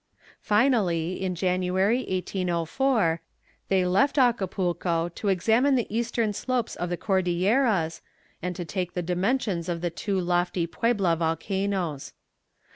Finally, in January, 1804, they left Acapulco to examine the eastern slopes of the Cordilleras, and to take the dimensions of the two lofty Puebla volcanoes.